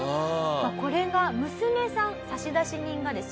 これが娘さん差出人がですよ